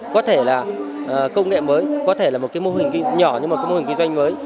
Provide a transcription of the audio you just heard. có thể là công nghệ mới có thể là một mô hình nhỏ nhưng mà mô hình kinh doanh mới